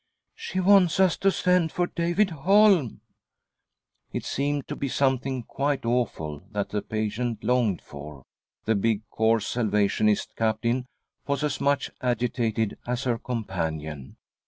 " She wants us to send for David Holm !" It seemed to be something quite awful that the patient longed for — the big, coarse Salvationist Captain was as much agitated as her companion.